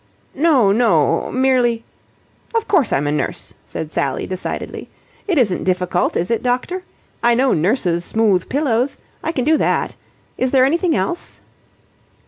"No, no, merely..." "Of course I'm a nurse," said Sally decidedly. "It isn't difficult, is it, doctor? I know nurses smooth pillows. I can do that. Is there anything else?"